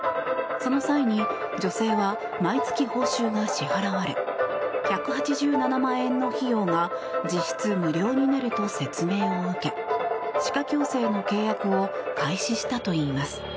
その際に女性は毎月報酬が支払われ１８７万円の費用が実質無料になると説明を受け歯科矯正の契約を開始したといいます。